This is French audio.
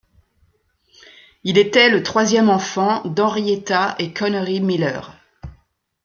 Il était le troisième enfant d'Henrietta et Connery Miller.